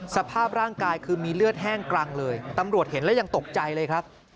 สภาพร่างกายคือมีเลือดแห้งกรังเลยตำรวจเห็นแล้วยังตกใจเลยครับ